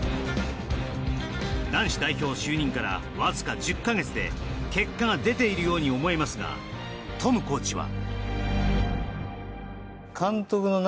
男子代表就任からわずか１０か月で結果が出ているように思えますがトムコーチは。